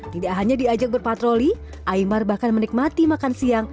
tidak hanya diajak berpatroli aymar bahkan menikmati makan siang